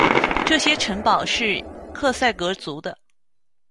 这些城堡是克塞格族的。